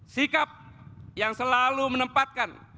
sikap yang selalu menempatkan